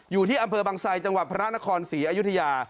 อยู่ที่อำเภอบังไซจังหวัดพระนครศรีอยุธยา